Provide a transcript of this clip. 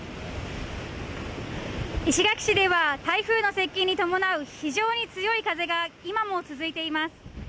石垣市では台風の接近に伴う非常に強い風が今も続いています。